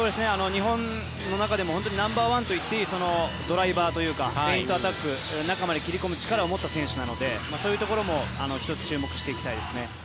日本の中でもナンバーワンといってもいいドライバーというかフェイントアタック中まで切り込む力を持った選手なのでそういったところも見ていきたいですね。